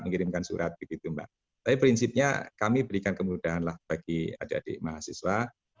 mengirimkan surat begitu mbak tapi prinsipnya kami berikan kemudahan lah bagi adik adik mahasiswa